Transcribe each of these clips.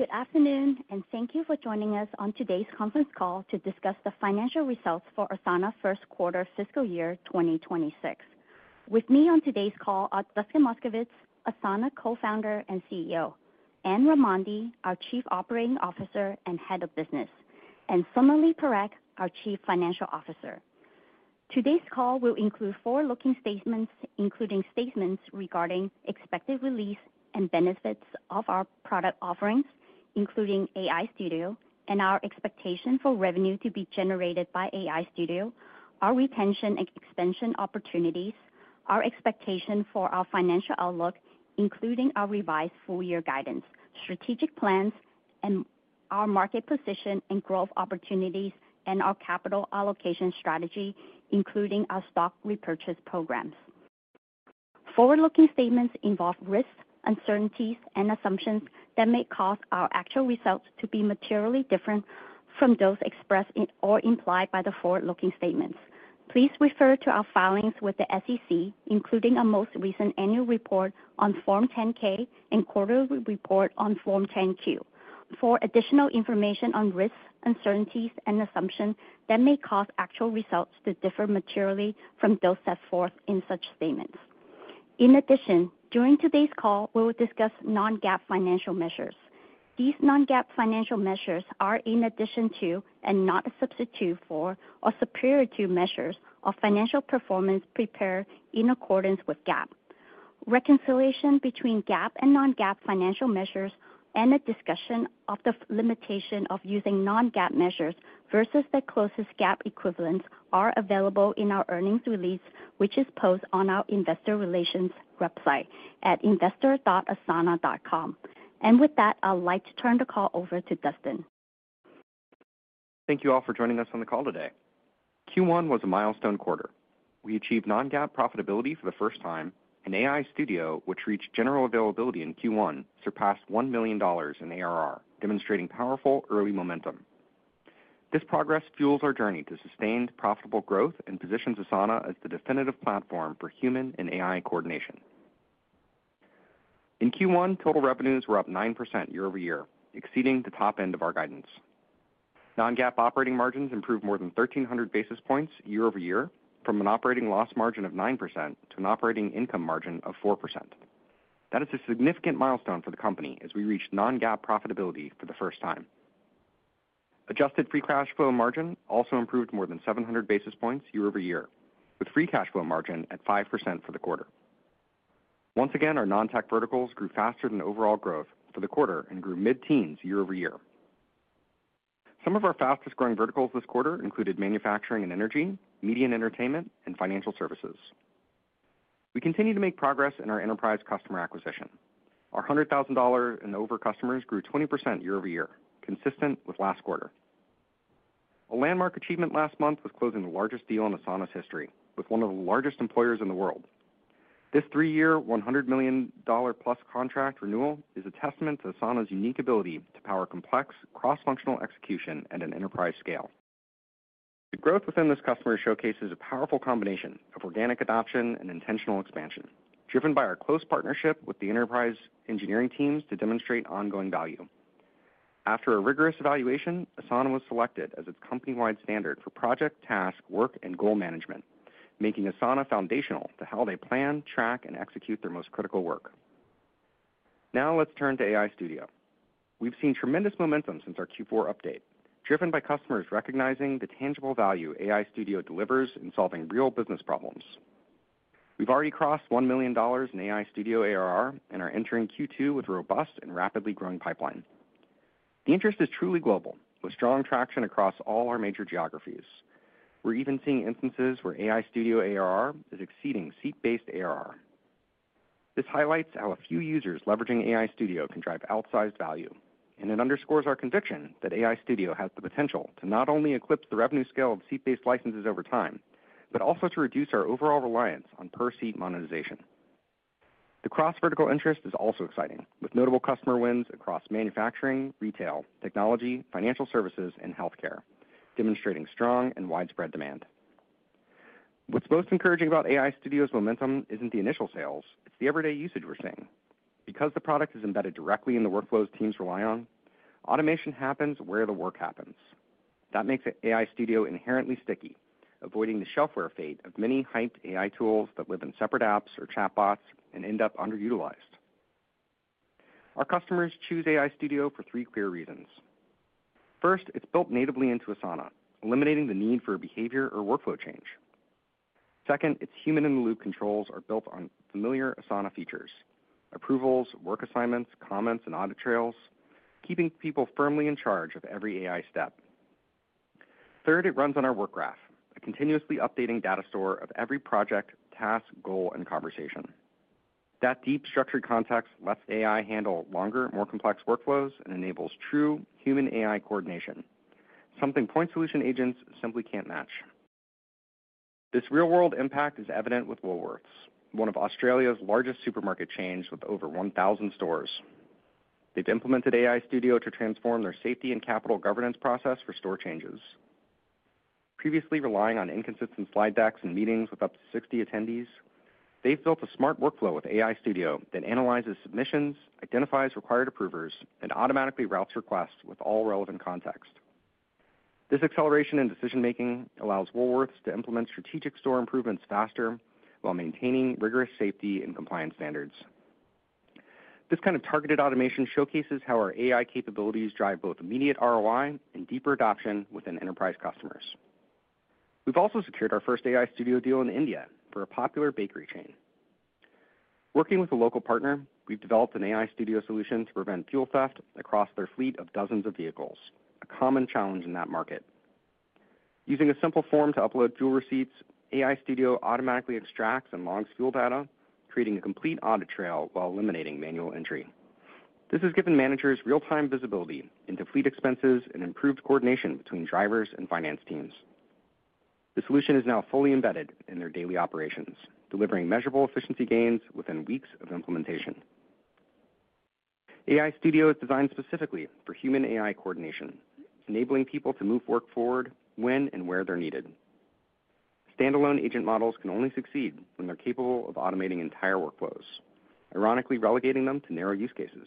Good afternoon, and thank you for joining us on today's conference call to discuss the financial results for Asana first quarter fiscal year 2026. With me on today's call are Dustin Moskovitz, Asana co-founder and CEO; Anne Raimondi, our Chief Operating Officer and Head of Business; and Sonalee Parekh, our Chief Financial Officer. Today's call will include forward-looking statements, including statements regarding expected release and benefits of our product offerings, including AI Studio, and our expectation for revenue to be generated by AI Studio, our retention and expansion opportunities, our expectation for our financial outlook, including our revised full-year guidance, strategic plans, and our market position and growth opportunities, and our capital allocation strategy, including our stock repurchase programs. Forward-looking statements involve risks, uncertainties, and assumptions that may cause our actual results to be materially different from those expressed or implied by the forward-looking statements. Please refer to our filings with the SEC, including our most recent annual report on Form 10-K and quarterly report on Form 10-Q, for additional information on risks, uncertainties, and assumptions that may cause actual results to differ materially from those set forth in such statements. In addition, during today's call, we will discuss non-GAAP financial measures. These non-GAAP financial measures are in addition to, and not a substitute for, or superior to measures of financial performance prepared in accordance with GAAP. Reconciliation between GAAP and non-GAAP financial measures and a discussion of the limitation of using non-GAAP measures versus the closest GAAP equivalents are available in our earnings release, which is posted on our Investor Relations website at investor.asana.com. I would like to turn the call over to Dustin. Thank you all for joining us on the call today. Q1 was a milestone quarter. We achieved non-GAAP profitability for the first time, and AI Studio, which reached general availability in Q1, surpassed $1 million in ARR, demonstrating powerful early momentum. This progress fuels our journey to sustained profitable growth and positions Asana as the definitive platform for human and AI coordination. In Q1, total revenues were up 9% year-over-year, exceeding the top end of our guidance. Non-GAAP operating margins improved more than 1,300 basis points year-over-year, from an operating loss margin of 9% to an operating income margin of 4%. That is a significant milestone for the company as we reached non-GAAP profitability for the first time. Adjusted free cash flow margin also improved more than 700 basis points year-over-year, with free cash flow margin at 5% for the quarter. Once again, our non-tech verticals grew faster than overall growth for the quarter and grew mid-teens year-over-year. Some of our fastest-growing verticals this quarter included manufacturing and energy, media and entertainment, and financial services. We continue to make progress in our enterprise customer acquisition. Our $100,000 and over customers grew 20% year-over-year, consistent with last quarter. A landmark achievement last month was closing the largest deal in Asana's history, with one of the largest employers in the world. This three-year, $100 million+ contract renewal is a testament to Asana's unique ability to power complex, cross-functional execution at an enterprise scale. The growth within this customer showcases a powerful combination of organic adoption and intentional expansion, driven by our close partnership with the enterprise engineering teams to demonstrate ongoing value. After a rigorous evaluation, Asana was selected as its company-wide standard for project, task, work, and goal management, making Asana foundational to how they plan, track, and execute their most critical work. Now let's turn to AI Studio. We've seen tremendous momentum since our Q4 update, driven by customers recognizing the tangible value AI Studio delivers in solving real business problems. We've already crossed $1 million in AI Studio ARR and are entering Q2 with a robust and rapidly growing pipeline. The interest is truly global, with strong traction across all our major geographies. We're even seeing instances where AI Studio ARR is exceeding seat-based ARR. This highlights how a few users leveraging AI Studio can drive outsized value, and it underscores our conviction that AI Studio has the potential to not only eclipse the revenue scale of seat-based licenses over time, but also to reduce our overall reliance on per-seat monetization. The cross-vertical interest is also exciting, with notable customer wins across manufacturing, retail, technology, financial services, and healthcare, demonstrating strong and widespread demand. What's most encouraging about AI Studio's momentum isn't the initial sales. It's the everyday usage we're seeing. Because the product is embedded directly in the workflows teams rely on, automation happens where the work happens. That makes AI Studio inherently sticky, avoiding the shelfware fate of many hyped AI tools that live in separate apps or chatbots and end up underutilized. Our customers choose AI Studio for three clear reasons. First, it's built natively into Asana, eliminating the need for behavior or workflow change. Second, its human-in-the-loop controls are built on familiar Asana features: approvals, work assignments, comments, and audit trails, keeping people firmly in charge of every AI step. Third, it runs on our Work Graph, a continuously updating data store of every project, task, goal, and conversation. That deep, structured context lets AI handle longer, more complex workflows and enables true human-AI coordination, something point solution agents simply can't match. This real-world impact is evident with Woolworths, one of Australia's largest supermarket chains with over 1,000 stores. They've implemented AI Studio to transform their safety and capital governance process for store changes. Previously relying on inconsistent slide decks and meetings with up to 60 attendees, they've built a smart workflow with AI Studio that analyzes submissions, identifies required approvers, and automatically routes requests with all relevant context. This acceleration in decision-making allows Woolworths to implement strategic store improvements faster while maintaining rigorous safety and compliance standards. This kind of targeted automation showcases how our AI capabilities drive both immediate ROI and deeper adoption within enterprise customers. We've also secured our first AI Studio deal in India for a popular bakery chain. Working with a local partner, we've developed an AI Studio solution to prevent fuel theft across their fleet of dozens of vehicles, a common challenge in that market. Using a simple form to upload fuel receipts, AI Studio automatically extracts and logs fuel data, creating a complete audit trail while eliminating manual entry. This has given managers real-time visibility into fleet expenses and improved coordination between drivers and finance teams. The solution is now fully embedded in their daily operations, delivering measurable efficiency gains within weeks of implementation. AI Studio is designed specifically for human-AI coordination, enabling people to move work forward when and where they're needed. Standalone agent models can only succeed when they're capable of automating entire workflows, ironically relegating them to narrow use cases.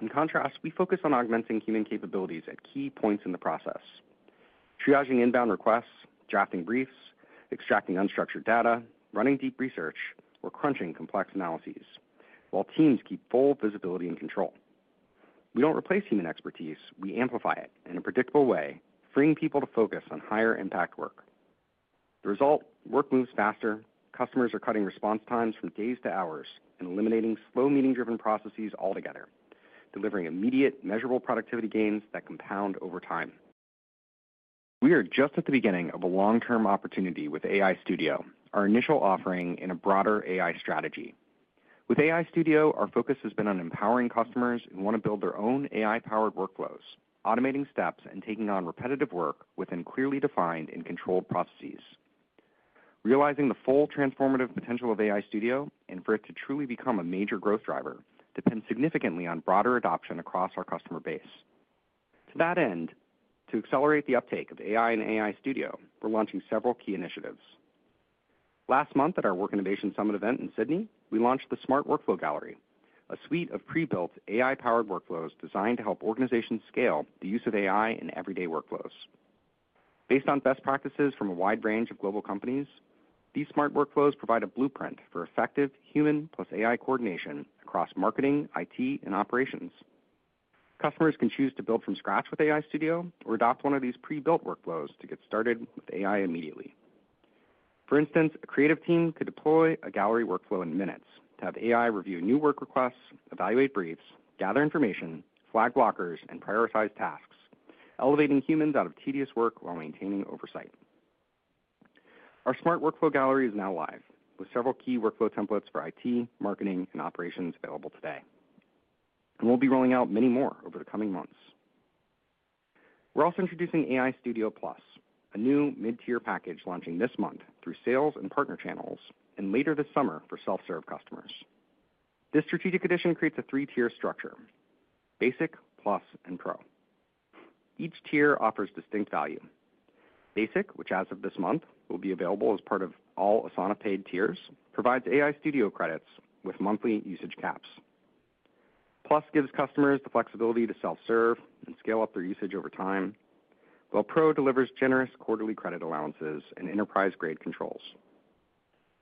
In contrast, we focus on augmenting human capabilities at key points in the process, triaging inbound requests, drafting briefs, extracting unstructured data, running deep research, or crunching complex analyses, while teams keep full visibility and control. We don't replace human expertise; we amplify it in a predictable way, freeing people to focus on higher-impact work. The result: work moves faster, customers are cutting response times from days to hours, and eliminating slow, meaning-driven processes altogether, delivering immediate, measurable productivity gains that compound over time. We are just at the beginning of a long-term opportunity with AI Studio, our initial offering in a broader AI strategy. With AI Studio, our focus has been on empowering customers who want to build their own AI-powered workflows, automating steps and taking on repetitive work within clearly defined and controlled processes. Realizing the full transformative potential of AI Studio and for it to truly become a major growth driver depends significantly on broader adoption across our customer base. To that end, to accelerate the uptake of AI and AI Studio, we're launching several key initiatives. Last month, at our Work Innovation Summit event in Sydney, we launched the Smart Workflow Gallery, a suite of pre-built AI-powered workflows designed to help organizations scale the use of AI in everyday workflows. Based on best practices from a wide range of global companies, these smart workflows provide a blueprint for effective human-plus-AI coordination across marketing, IT, and operations. Customers can choose to build from scratch with AI Studio or adopt one of these pre-built workflows to get started with AI immediately. For instance, a creative team could deploy a gallery workflow in minutes to have AI review new work requests, evaluate briefs, gather information, flag blockers, and prioritize tasks, elevating humans out of tedious work while maintaining oversight. Our Smart Workflow Gallery is now live, with several key workflow templates for IT, marketing, and operations available today. We will be rolling out many more over the coming months. We are also introducing AI Studio Plus, a new mid-tier package launching this month through sales and partner channels, and later this summer for self-serve customers. This strategic addition creates a three-tier structure: Basic, Plus, and Pro. Each tier offers distinct value. Basic, which as of this month will be available as part of all Asana-paid tiers, provides AI Studio credits with monthly usage caps. Plus gives customers the flexibility to self-serve and scale up their usage over time, while Pro delivers generous quarterly credit allowances and enterprise-grade controls.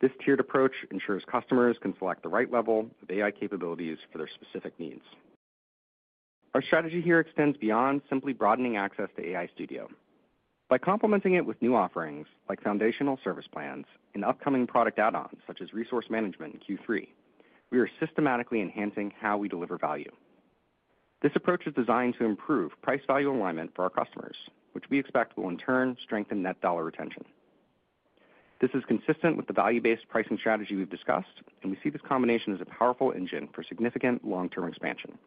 This tiered approach ensures customers can select the right level of AI capabilities for their specific needs. Our strategy here extends beyond simply broadening access to AI Studio. By complementing it with new offerings like Foundational Service Plans and upcoming product add-ons such as resource management in Q3, we are systematically enhancing how we deliver value. This approach is designed to improve price-value alignment for our customers, which we expect will in turn strengthen net dollar retention. This is consistent with the value-based pricing strategy we've discussed, and we see this combination as a powerful engine for significant long-term expansion.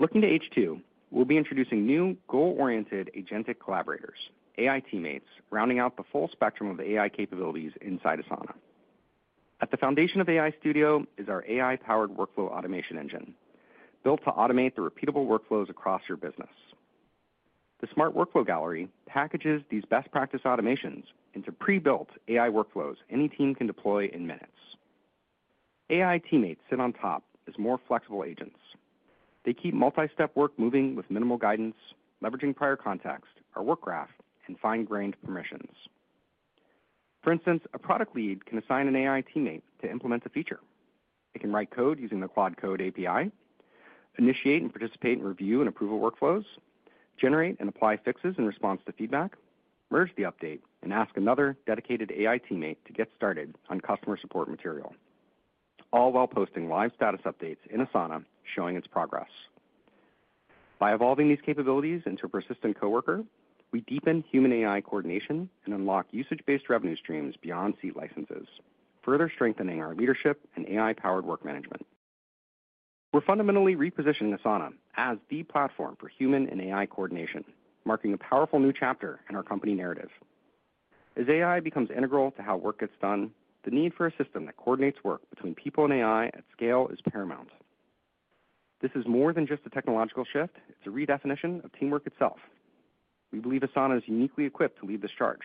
Looking to H2, we'll be introducing new goal-oriented agentic collaborators, AI Teammates, rounding out the full spectrum of AI capabilities inside Asana. At the foundation of AI Studio is our AI-powered workflow automation engine, built to automate the repeatable workflows across your business. The Smart Workflow Gallery packages these best practice automations into pre-built AI workflows any team can deploy in minutes. AI Teammates sit on top as more flexible agents. They keep multi-step work moving with minimal guidance, leveraging prior context, our Work Graph, and fine-grained permissions. For instance, a product lead can assign an AI Teammate to implement a feature. They can write code using the Quadcode API, initiate and participate in review and approval workflows, generate and apply fixes in response to feedback, merge the update, and ask another dedicated AI Teammate to get started on customer support material, all while posting live status updates in Asana showing its progress. By evolving these capabilities into a persistent coworker, we deepen human-AI coordination and unlock usage-based revenue streams beyond seat licenses, further strengthening our leadership and AI-powered work management. We are fundamentally repositioning Asana as the platform for human and AI coordination, marking a powerful new chapter in our company narrative. As AI becomes integral to how work gets done, the need for a system that coordinates work between people and AI at scale is paramount. This is more than just a technological shift. It is a redefinition of teamwork itself. We believe Asana is uniquely equipped to lead this charge.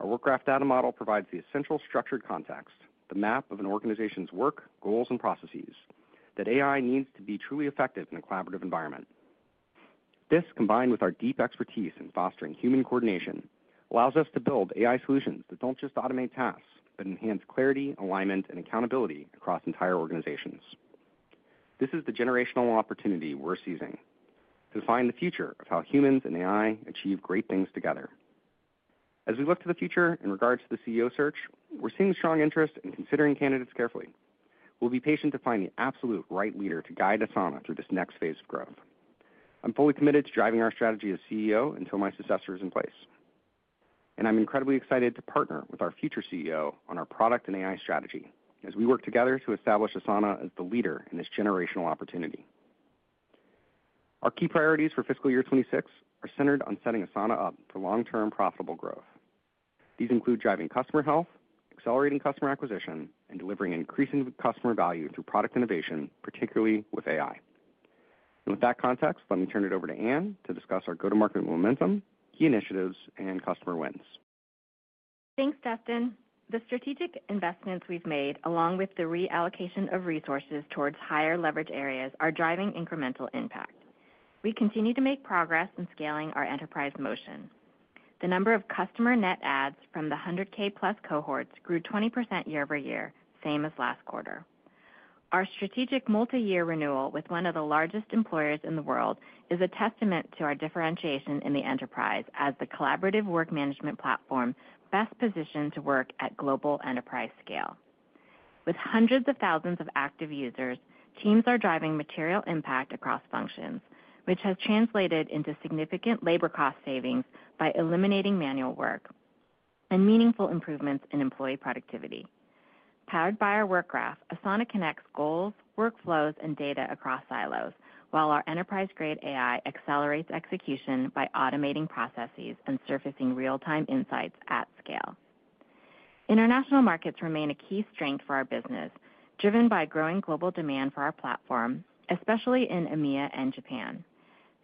Our Work Graph data model provides the essential structured context, the map of an organization's work, goals, and processes that AI needs to be truly effective in a collaborative environment. This, combined with our deep expertise in fostering human coordination, allows us to build AI solutions that do not just automate tasks, but enhance clarity, alignment, and accountability across entire organizations. This is the generational opportunity we are seizing to define the future of how humans and AI achieve great things together. As we look to the future in regards to the CEO search, we are seeing strong interest in considering candidates carefully. We will be patient to find the absolute right leader to guide Asana through this next phase of growth. I am fully committed to driving our strategy as CEO until my successor is in place. I'm incredibly excited to partner with our future CEO on our product and AI strategy as we work together to establish Asana as the leader in this generational opportunity. Our key priorities for fiscal year 2026 are centered on setting Asana up for long-term profitable growth. These include driving customer health, accelerating customer acquisition, and delivering increasing customer value through product innovation, particularly with AI. With that context, let me turn it over to Anne to discuss our go-to-market momentum, key initiatives, and customer wins. Thanks, Dustin. The strategic investments we've made, along with the reallocation of resources towards higher leverage areas, are driving incremental impact. We continue to make progress in scaling our enterprise motion. The number of customer net adds from the $100,000+ cohorts grew 20% year-over-year, same as last quarter. Our strategic multi-year renewal with one of the largest employers in the world is a testament to our differentiation in the enterprise as the collaborative work management platform best positioned to work at global enterprise scale. With hundreds of thousands of active users, teams are driving material impact across functions, which has translated into significant labor cost savings by eliminating manual work and meaningful improvements in employee productivity. Powered by our Work Graph, Asana connects goals, workflows, and data across silos, while our enterprise-grade AI accelerates execution by automating processes and surfacing real-time insights at scale. International markets remain a key strength for our business, driven by growing global demand for our platform, especially in EMEA and Japan.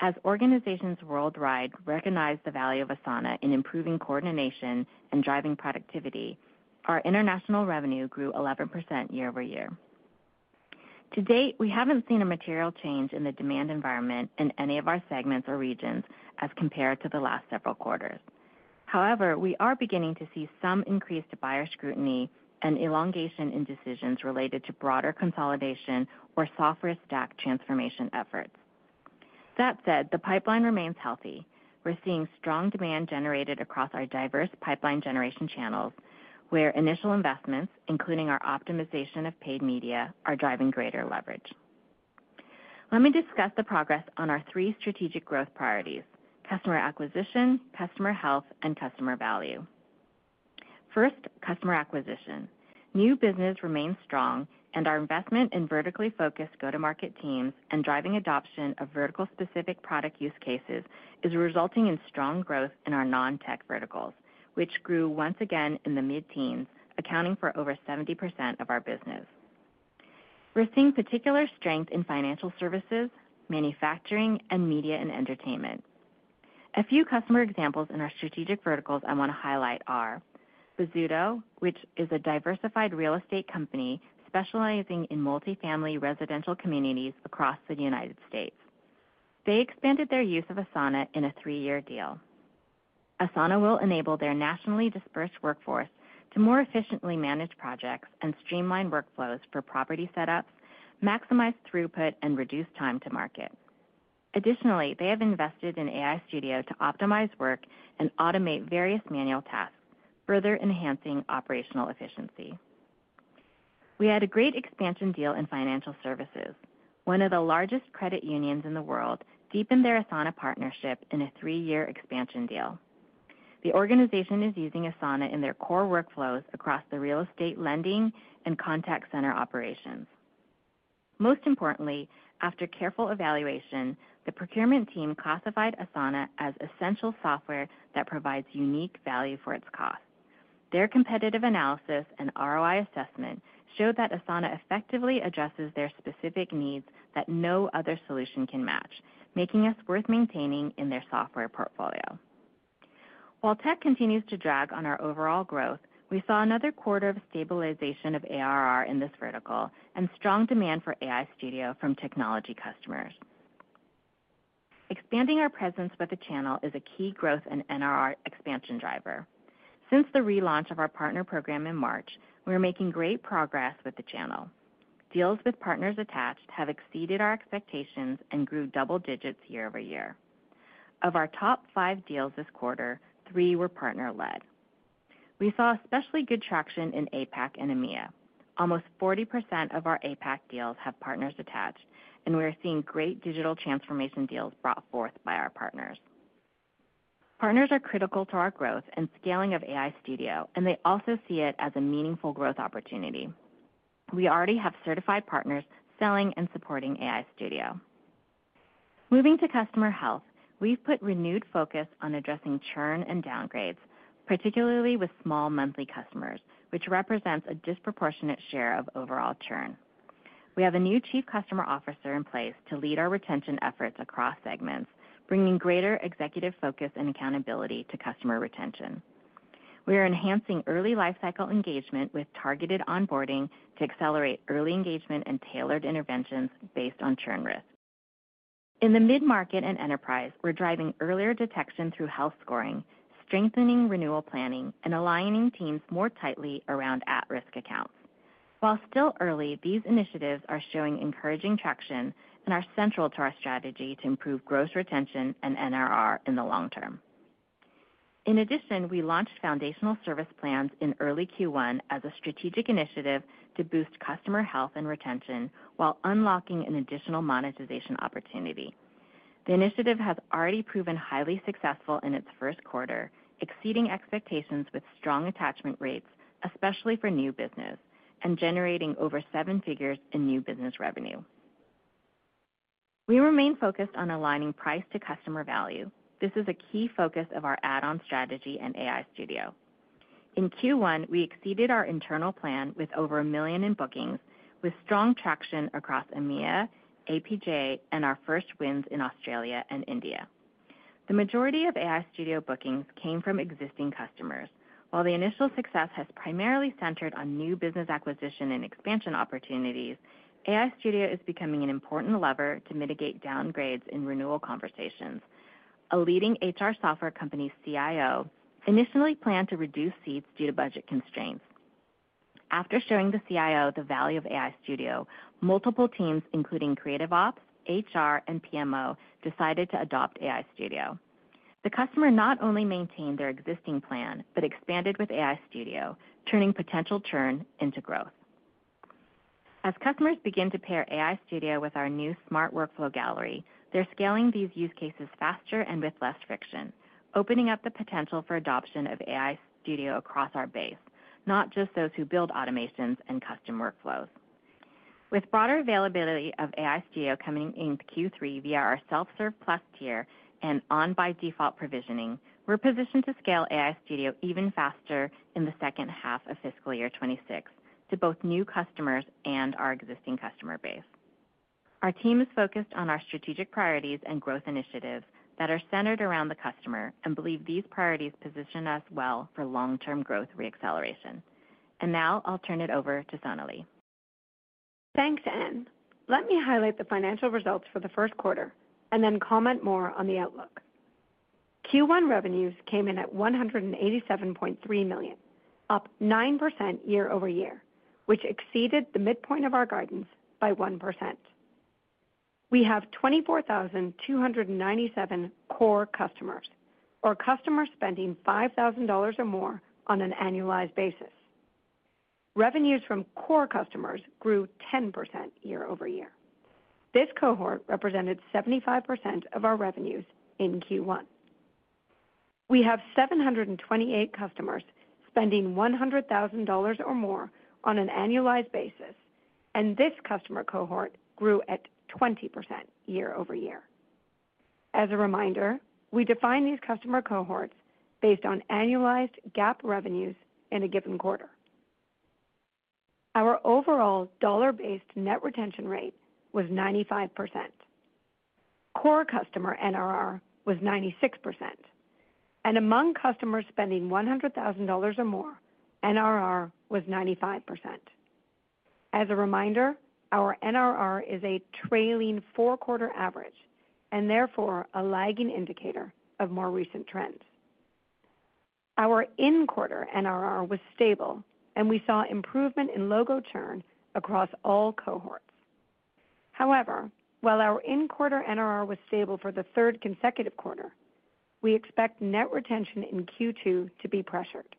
As organizations worldwide recognize the value of Asana in improving coordination and driving productivity, our international revenue grew 11% year-over-year. To date, we haven't seen a material change in the demand environment in any of our segments or regions as compared to the last several quarters. However, we are beginning to see some increased buyer scrutiny and elongation in decisions related to broader consolidation or software stack transformation efforts. That said, the pipeline remains healthy. We're seeing strong demand generated across our diverse pipeline generation channels, where initial investments, including our optimization of paid media, are driving greater leverage. Let me discuss the progress on our three strategic growth priorities: customer acquisition, customer health, and customer value. First, customer acquisition. New business remains strong, and our investment in vertically focused go-to-market teams and driving adoption of vertical-specific product use cases is resulting in strong growth in our non-tech verticals, which grew once again in the mid-teens, accounting for over 70% of our business. We're seeing particular strength in financial services, manufacturing, and media and entertainment. A few customer examples in our strategic verticals I want to highlight are: Bozzuto, which is a diversified real estate company specializing in multi-family residential communities across the United States. They expanded their use of Asana in a three-year deal. Asana will enable their nationally dispersed workforce to more efficiently manage projects and streamline workflows for property setups, maximize throughput, and reduce time to market. Additionally, they have invested in AI Studio to optimize work and automate various manual tasks, further enhancing operational efficiency. We had a great expansion deal in financial services. One of the largest credit unions in the world deepened their Asana partnership in a three-year expansion deal. The organization is using Asana in their core workflows across the real estate lending and contact center operations. Most importantly, after careful evaluation, the procurement team classified Asana as essential software that provides unique value for its cost. Their competitive analysis and ROI assessment showed that Asana effectively addresses their specific needs that no other solution can match, making us worth maintaining in their software portfolio. While tech continues to drag on our overall growth, we saw another quarter of stabilization of ARR in this vertical and strong demand for AI Studio from technology customers. Expanding our presence with the channel is a key growth and NRR expansion driver. Since the relaunch of our partner program in March, we're making great progress with the channel. Deals with partners attached have exceeded our expectations and grew double digits year-over-year. Of our top five deals this quarter, three were partner-led. We saw especially good traction in APAC and EMEA. Almost 40% of our APAC deals have partners attached, and we are seeing great digital transformation deals brought forth by our partners. Partners are critical to our growth and scaling of AI Studio, and they also see it as a meaningful growth opportunity. We already have certified partners selling and supporting AI Studio. Moving to customer health, we've put renewed focus on addressing churn and downgrades, particularly with small monthly customers, which represents a disproportionate share of overall churn. We have a new Chief Customer Officer in place to lead our retention efforts across segments, bringing greater executive focus and accountability to customer retention. We are enhancing early lifecycle engagement with targeted onboarding to accelerate early engagement and tailored interventions based on churn risk. In the mid-market and enterprise, we're driving earlier detection through health scoring, strengthening renewal planning, and aligning teams more tightly around at-risk accounts. While still early, these initiatives are showing encouraging traction and are central to our strategy to improve gross retention and NRR in the long term. In addition, we launched Foundational Service Plans in early Q1 as a strategic initiative to boost customer health and retention while unlocking an additional monetization opportunity. The initiative has already proven highly successful in its first quarter, exceeding expectations with strong attachment rates, especially for new business, and generating over seven figures in new business revenue. We remain focused on aligning price to customer value. This is a key focus of our add-on strategy and AI Studio. In Q1, we exceeded our internal plan with over million in bookings, with strong traction across EMEA, APJ, and our first wins in Australia and India. The majority of AI Studio bookings came from existing customers. While the initial success has primarily centered on new business acquisition and expansion opportunities, AI Studio is becoming an important lever to mitigate downgrades in renewal conversations. A leading HR software company's CIO initially planned to reduce seats due to budget constraints. After showing the CIO the value of AI Studio, multiple teams, including creative ops, HR, and PMO, decided to adopt AI Studio. The customer not only maintained their existing plan, but expanded with AI Studio, turning potential churn into growth. As customers begin to pair AI Studio with our new Smart Workflow Gallery, they're scaling these use cases faster and with less friction, opening up the potential for adoption of AI Studio across our base, not just those who build automations and custom workflows. With broader availability of AI Studio coming into Q3 via our self-serve Plus tier and on-by-default provisioning, we're positioned to scale AI Studio even faster in the second half of fiscal year 2026 to both new customers and our existing customer base. Our team is focused on our strategic priorities and growth initiatives that are centered around the customer and believe these priorities position us well for long-term growth reacceleration. Now I'll turn it over to Sonalee. Thanks, Anne. Let me highlight the financial results for the first quarter and then comment more on the outlook. Q1 revenues came in at $187.3 million, up 9% year-over-year, which exceeded the midpoint of our guidance by 1%. We have 24,297 core customers, or customers spending $5,000 or more on an annualized basis. Revenues from core customers grew 10% year-over-year. This cohort represented 75% of our revenues in Q1. We have 728 customers spending $100,000 or more on an annualized basis, and this customer cohort grew at 20% year-over-year. As a reminder, we define these customer cohorts based on annualized GAAP revenues in a given quarter. Our overall dollar-based net retention rate was 95%. Core customer NRR was 96%. Among customers spending $100,000 or more, NRR was 95%. As a reminder, our NRR is a trailing four-quarter average and therefore a lagging indicator of more recent trends. Our in-quarter NRR was stable, and we saw improvement in logo churn across all cohorts. However, while our in-quarter NRR was stable for the third consecutive quarter, we expect net retention in Q2 to be pressured.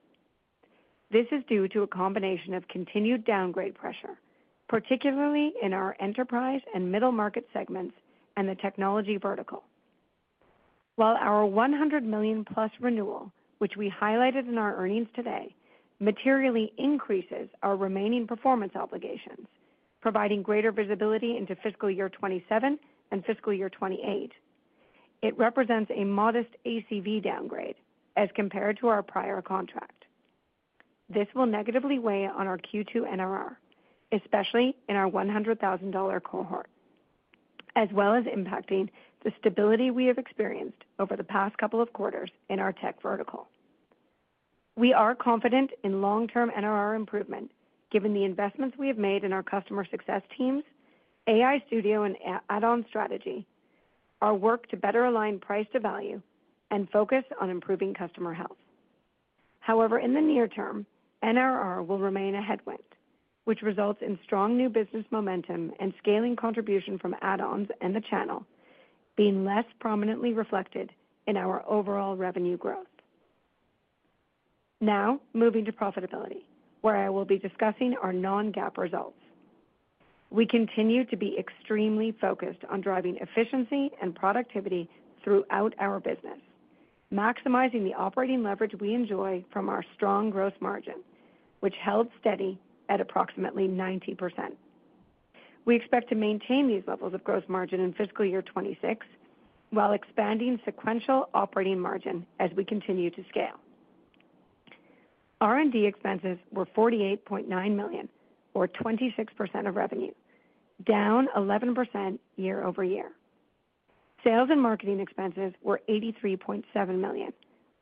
This is due to a combination of continued downgrade pressure, particularly in our enterprise and middle market segments and the technology vertical. While our $100 million+ renewal, which we highlighted in our earnings today, materially increases our remaining performance obligations, providing greater visibility into fiscal year 2027 and fiscal year 2028, it represents a modest ACV downgrade as compared to our prior contract. This will negatively weigh on our Q2 NRR, especially in our $100,000 cohort, as well as impacting the stability we have experienced over the past couple of quarters in our tech vertical. We are confident in long-term NRR improvement, given the investments we have made in our customer success teams, AI Studio and add-on strategy, our work to better align price to value, and focus on improving customer health. However, in the near term, NRR will remain a headwind, which results in strong new business momentum and scaling contribution from add-ons and the channel being less prominently reflected in our overall revenue growth. Now, moving to profitability, where I will be discussing our non-GAAP results. We continue to be extremely focused on driving efficiency and productivity throughout our business, maximizing the operating leverage we enjoy from our strong gross margin, which held steady at approximately 90%. We expect to maintain these levels of gross margin in fiscal year 2026 while expanding sequential operating margin as we continue to scale. R&D expenses were $48.9 million, or 26% of revenue, down 11% year-over-year. Sales and marketing expenses were $83.7 million,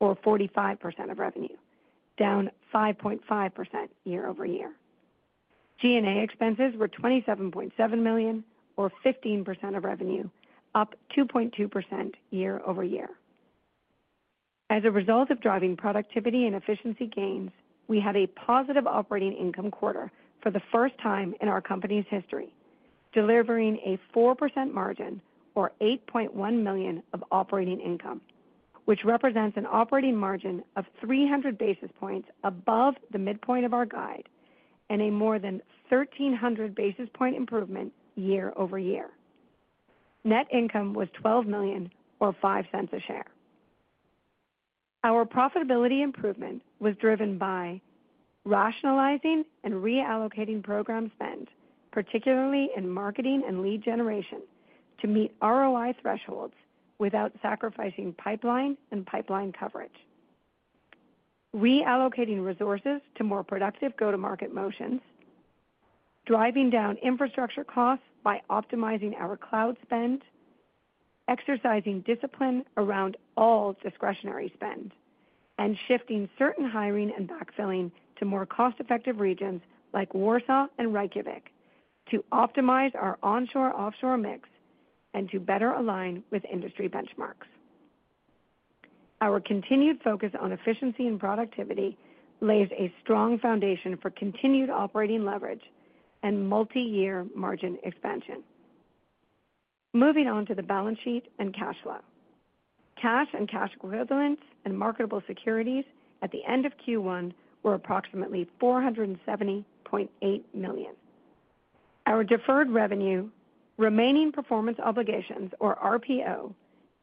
or 45% of revenue, down 5.5% year-over-year. G&A expenses were $27.7 million, or 15% of revenue, up 2.2% year-over-year. As a result of driving productivity and efficiency gains, we had a positive operating income quarter for the first time in our company's history, delivering a 4% margin, or $8.1 million, of operating income, which represents an operating margin of 300 basis points above the midpoint of our guide and a more than 1,300 basis point improvement year-over-year. Net income was $12 million, or $0.05 a share. Our profitability improvement was driven by rationalizing and reallocating program spend, particularly in marketing and lead generation, to meet ROI thresholds without sacrificing pipeline and pipeline coverage. Reallocating resources to more productive go-to-market motions, driving down infrastructure costs by optimizing our cloud spend, exercising discipline around all discretionary spend, and shifting certain hiring and backfilling to more cost-effective regions like Warsaw and Reykjavik to optimize our onshore-offshore mix and to better align with industry benchmarks. Our continued focus on efficiency and productivity lays a strong foundation for continued operating leverage and multi-year margin expansion. Moving on to the balance sheet and cash flow. Cash and cash equivalents and marketable securities at the end of Q1 were approximately $470.8 million. Our deferred revenue, remaining performance obligations, or RPO,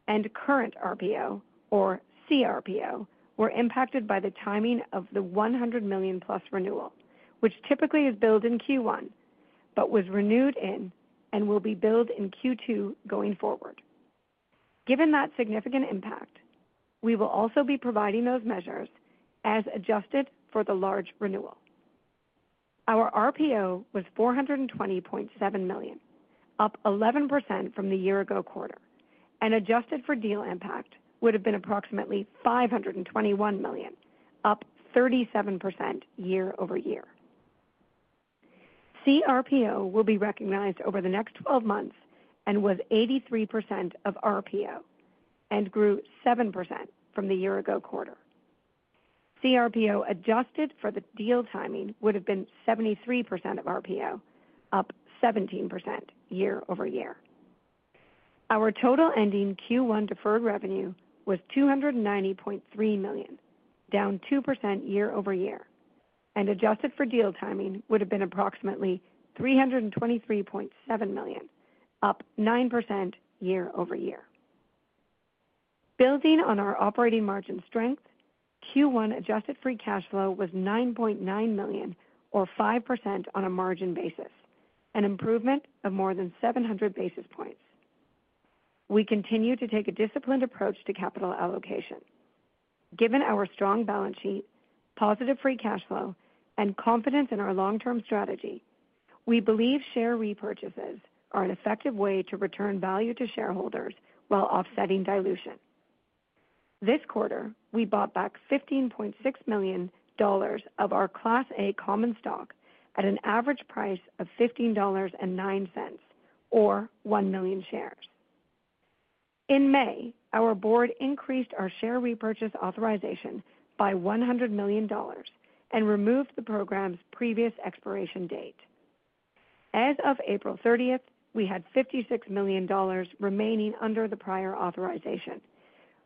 and current RPO, or CRPO, were impacted by the timing of the $100 million+ renewal, which typically is billed in Q1 but was renewed in and will be billed in Q2 going forward. Given that significant impact, we will also be providing those measures as adjusted for the large renewal. Our RPO was $420.7 million, up 11% from the year-ago quarter, and adjusted for deal impact would have been approximately $521 million, up 37% year-over-year. CRPO will be recognized over the next 12 months and was 83% of RPO and grew 7% from the year-ago quarter. CRPO adjusted for the deal timing would have been 73% of RPO, up 17% year-over-year. Our total ending Q1 deferred revenue was $290.3 million, down 2% year-over-year, and adjusted for deal timing would have been approximately $323.7 million, up 9% year-over-year. Building on our operating margin strength, Q1 adjusted free cash flow was $9.9 million, or 5% on a margin basis, an improvement of more than 700 basis points. We continue to take a disciplined approach to capital allocation. Given our strong balance sheet, positive free cash flow, and confidence in our long-term strategy, we believe share repurchases are an effective way to return value to shareholders while offsetting dilution. This quarter, we bought back $15.6 million of our Class A common stock at an average price of $15.09, or 1 million shares. In May, our board increased our share repurchase authorization by $100 million and removed the program's previous expiration date. As of April 30, we had $56 million remaining under the prior authorization,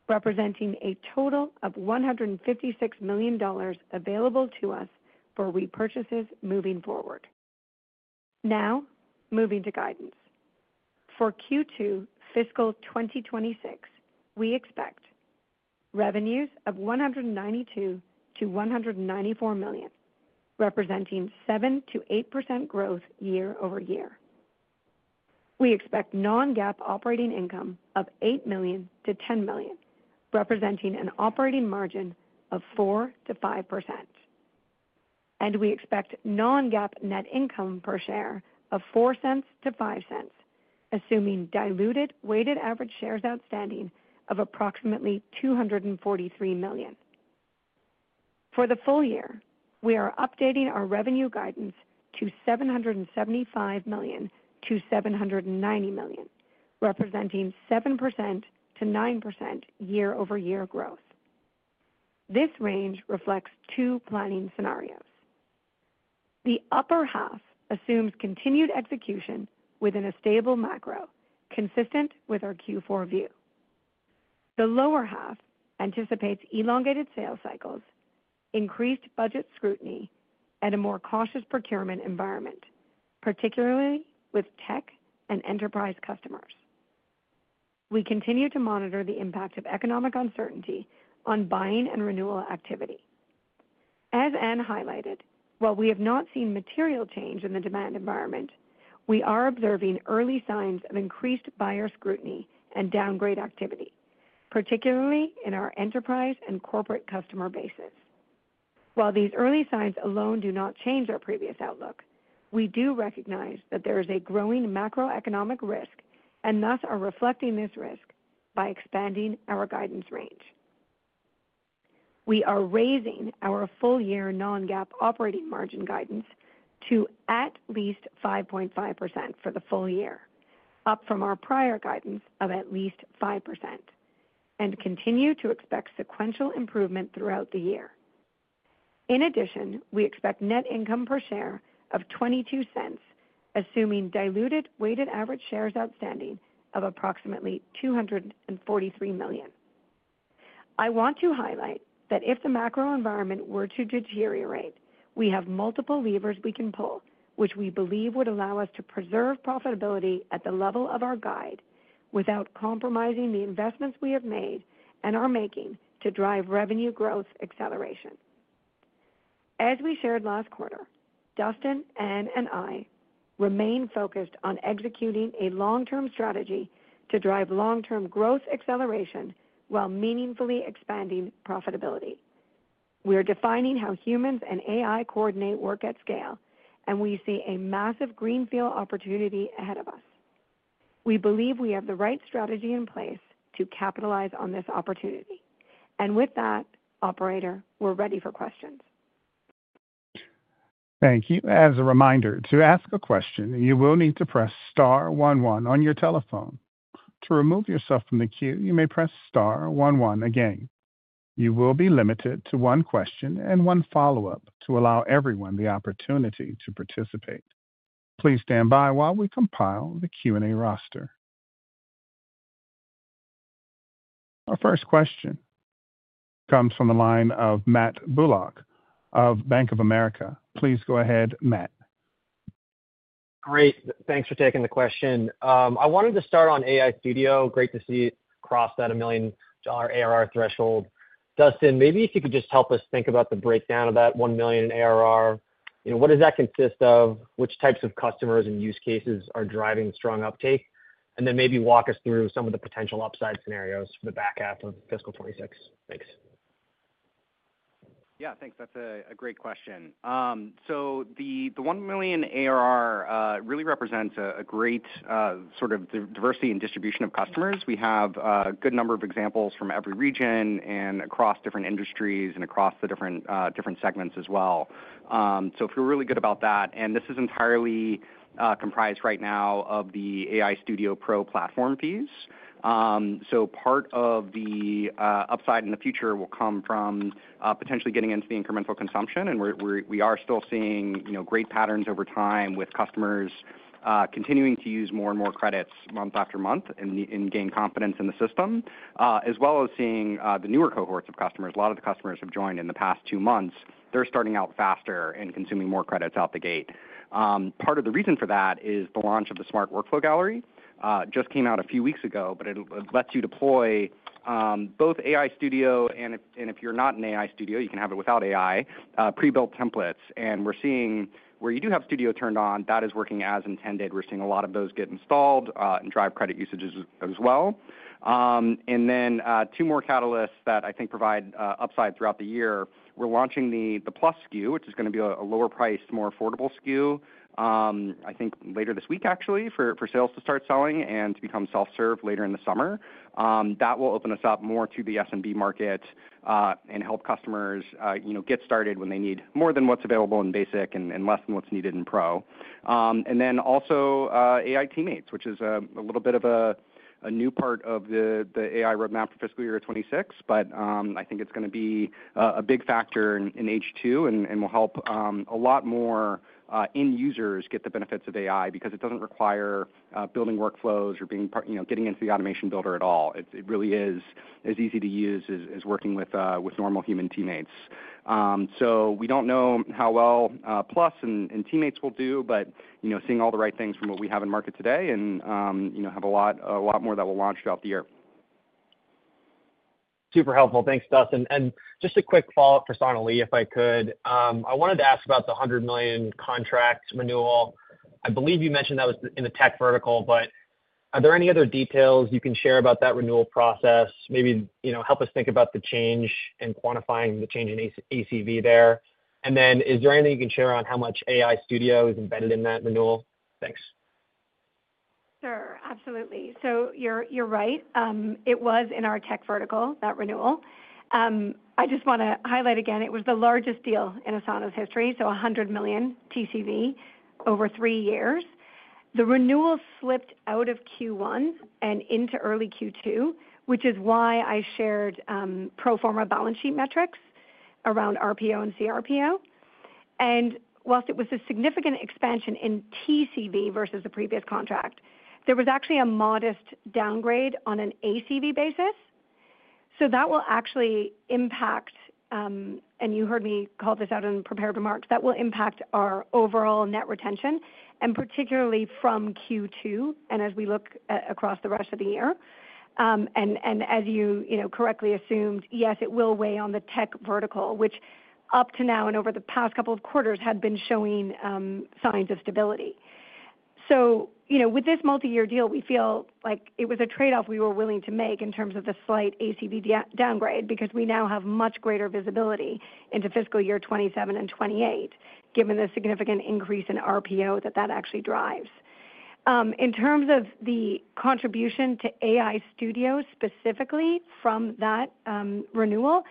representing a total of $156 million available to us for repurchases moving forward. Now, moving to guidance. For Q2 fiscal 2026, we expect revenues of $192 million-$194 million, representing 7%-8% growth year-over-year. We expect non-GAAP operating income of $8 million-$10 million, representing an operating margin of 4%-5%. We expect non-GAAP net income per share of $0.04-$0.05, assuming diluted weighted average shares outstanding of approximately 243 million. For the full year, we are updating our revenue guidance to $775 million-$790 million, representing 7%-9% year-over-year growth. This range reflects two planning scenarios. The upper half assumes continued execution within a stable macro, consistent with our Q4 view. The lower half anticipates elongated sales cycles, increased budget scrutiny, and a more cautious procurement environment, particularly with tech and enterprise customers. We continue to monitor the impact of economic uncertainty on buying and renewal activity. As Anne highlighted, while we have not seen material change in the demand environment, we are observing early signs of increased buyer scrutiny and downgrade activity, particularly in our enterprise and corporate customer bases. While these early signs alone do not change our previous outlook, we do recognize that there is a growing macroeconomic risk and thus are reflecting this risk by expanding our guidance range. We are raising our full-year non-GAAP operating margin guidance to at least 5.5% for the full year, up from our prior guidance of at least 5%, and continue to expect sequential improvement throughout the year. In addition, we expect net income per share of $0.22, assuming diluted weighted average shares outstanding of approximately 243 million. I want to highlight that if the macro environment were to deteriorate, we have multiple levers we can pull, which we believe would allow us to preserve profitability at the level of our guide without compromising the investments we have made and are making to drive revenue growth acceleration. As we shared last quarter, Dustin, Anne, and I remain focused on executing a long-term strategy to drive long-term growth acceleration while meaningfully expanding profitability. We are defining how humans and AI coordinate work at scale, and we see a massive greenfield opportunity ahead of us. We believe we have the right strategy in place to capitalize on this opportunity. With that, Operator, we're ready for questions. Thank you. As a reminder, to ask a question, you will need to press star one one on your telephone. To remove yourself from the queue, you may press star one one again. You will be limited to one question and one follow-up to allow everyone the opportunity to participate. Please stand by while we compile the Q&A roster. Our first question comes from the line of Matt Bullock of Bank of America. Please go ahead, Matt. Great. Thanks for taking the question. I wanted to start on AI Studio. Great to see it cross that $1 million ARR threshold. Dustin, maybe if you could just help us think about the breakdown of that $1 million in ARR. What does that consist of? Which types of customers and use cases are driving strong uptake? Maybe walk us through some of the potential upside scenarios for the back half of fiscal 2026. Thanks. Yeah, thanks. That's a great question. The $1 million ARR really represents a great sort of diversity and distribution of customers. We have a good number of examples from every region and across different industries and across the different segments as well. I feel really good about that. This is entirely comprised right now of the AI Studio Pro platform fees. Part of the upside in the future will come from potentially getting into the incremental consumption. We are still seeing great patterns over time with customers continuing to use more and more credits month after month and gain confidence in the system, as well as seeing the newer cohorts of customers. A lot of the customers have joined in the past two months. They're starting out faster and consuming more credits out the gate. Part of the reason for that is the launch of the Smart Workflow Gallery. It just came out a few weeks ago, but it lets you deploy both AI Studio and, if you're not in AI Studio, you can have it without AI, prebuilt templates. We're seeing where you do have Studio turned on, that is working as intended. We're seeing a lot of those get installed and drive credit usages as well. Two more catalysts that I think provide upside throughout the year. We're launching the Plus SKU, which is going to be a lower-priced, more affordable SKU, I think later this week, actually, for sales to start selling and to become self-serve later in the summer. That will open us up more to the S&B market and help customers get started when they need more than what's available in Basic and less than what's needed in Pro. Also, AI Teammates, which is a little bit of a new part of the AI roadmap for fiscal year 2026, but I think it's going to be a big factor in H2 and will help a lot more end users get the benefits of AI because it doesn't require building workflows or getting into the automation builder at all. It really is as easy to use as working with normal human teammates. We do not know how well Plus and Teammates will do, but seeing all the right things from what we have in market today and have a lot more that will launch throughout the year. Super helpful. Thanks, Dustin. Just a quick follow-up for Sonalee, if I could. I wanted to ask about the $100 million contract renewal. I believe you mentioned that was in the tech vertical, but are there any other details you can share about that renewal process? Maybe help us think about the change and quantifying the change in ACV there. Is there anything you can share on how much AI Studio is embedded in that renewal? Thanks. Sure. Absolutely. You are right. It was in our tech vertical, that renewal. I just want to highlight again, it was the largest deal in Asana's history, so $100 million TCV over three years. The renewal slipped out of Q1 and into early Q2, which is why I shared pro forma balance sheet metrics around RPO and CRPO. Whilst it was a significant expansion in TCV versus the previous contract, there was actually a modest downgrade on an ACV basis. That will actually impact, and you heard me call this out in prepared remarks, our overall net retention, particularly from Q2 and as we look across the rest of the year. As you correctly assumed, yes, it will weigh on the tech vertical, which up to now and over the past couple of quarters had been showing signs of stability. With this multi-year deal, we feel like it was a trade-off we were willing to make in terms of the slight ACV downgrade because we now have much greater visibility into fiscal year 2027 and 2028, given the significant increase in RPO that that actually drives. In terms of the contribution to AI Studio specifically from that renewal,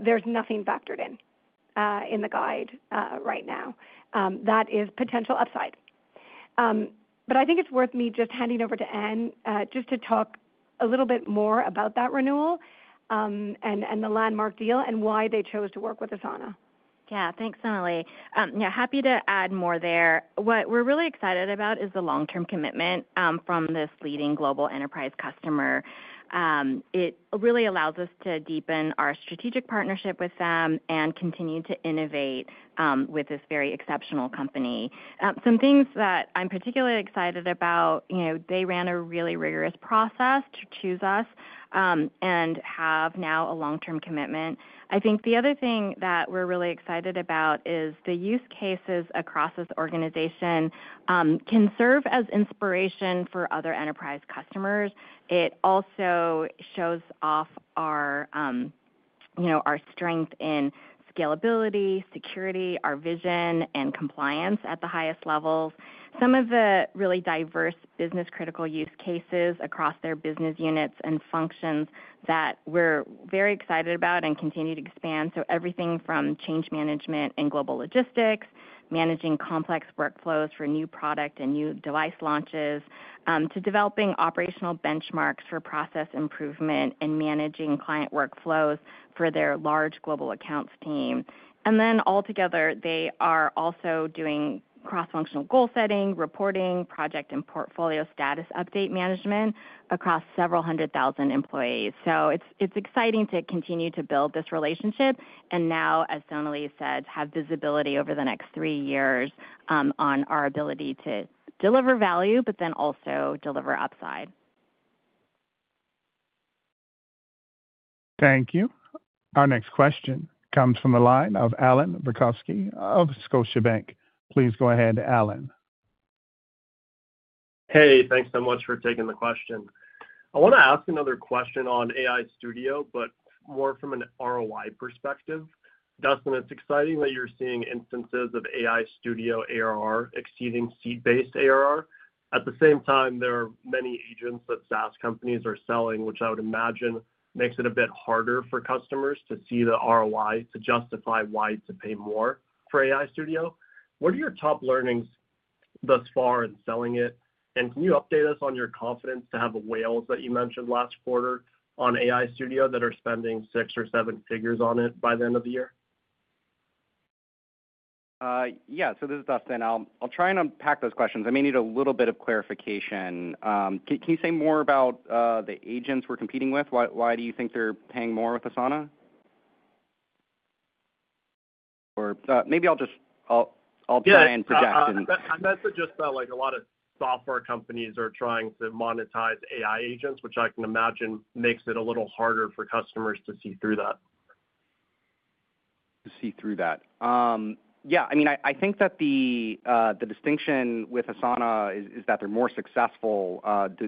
there's nothing factored in in the guide right now. That is potential upside. I think it's worth me just handing over to Anne just to talk a little bit more about that renewal and the landmark deal and why they chose to work with Asana. Yeah, thanks, Sonalee. Yeah, happy to add more there. What we're really excited about is the long-term commitment from this leading global enterprise customer. It really allows us to deepen our strategic partnership with them and continue to innovate with this very exceptional company. Some things that I'm particularly excited about, they ran a really rigorous process to choose us and have now a long-term commitment. I think the other thing that we're really excited about is the use cases across this organization can serve as inspiration for other enterprise customers. It also shows off our strength in scalability, security, our vision, and compliance at the highest levels. Some of the really diverse business-critical use cases across their business units and functions that we're very excited about and continue to expand. Everything from change management and global logistics, managing complex workflows for new product and new device launches, to developing operational benchmarks for process improvement and managing client workflows for their large global accounts team. Altogether, they are also doing cross-functional goal setting, reporting, project, and portfolio status update management across several hundred thousand employees. It's exciting to continue to build this relationship and now, as Sonalee said, have visibility over the next three years on our ability to deliver value, but then also deliver upside. Thank you. Our next question comes from the line of Alan Rakowski of Scotiabank. Please go ahead, Alan. Hey, thanks so much for taking the question. I want to ask another question on AI Studio, but more from an ROI perspective. Dustin, it's exciting that you're seeing instances of AI Studio ARR exceeding seat-based ARR. At the same time, there are many agents that SaaS companies are selling, which I would imagine makes it a bit harder for customers to see the ROI to justify why to pay more for AI Studio. What are your top learnings thus far in selling it? Can you update us on your confidence to have a whales that you mentioned last quarter on AI Studio that are spending six or seven figures on it by the end of the year? Yeah, this is Dustin. I'll try and unpack those questions. I may need a little bit of clarification. Can you say more about the agents we're competing with? Why do you think they're paying more with Asana? Or maybe I'll just try and project. Yeah, I meant just that a lot of software companies are trying to monetize AI agents, which I can imagine makes it a little harder for customers to see through that. To see through that. Yeah, I think that the distinction with Asana is that they're more successful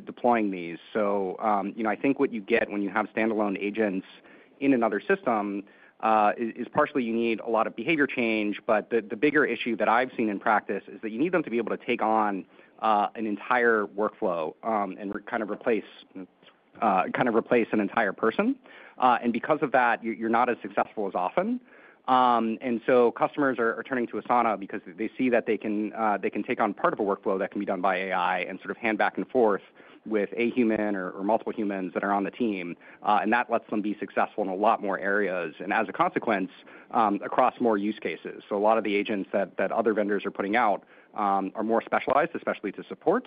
deploying these. I think what you get when you have standalone agents in another system is partially you need a lot of behavior change, but the bigger issue that I've seen in practice is that you need them to be able to take on an entire workflow and kind of replace an entire person. Because of that, you're not as successful as often. Customers are turning to Asana because they see that they can take on part of a workflow that can be done by AI and sort of hand back and forth with a human or multiple humans that are on the team. That lets them be successful in a lot more areas and as a consequence, across more use cases. A lot of the agents that other vendors are putting out are more specialized, especially to support.